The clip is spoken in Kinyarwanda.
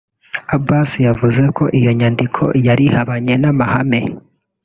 Abbasi yavuze ko iyo nyandiko yari “ihabanye n’amahame